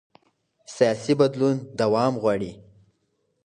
سیاسي بدلون دوام غواړي